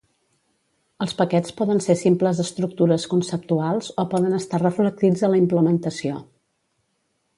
Els paquets poden ser simples estructures conceptuals o poden estar reflectits a la implementació.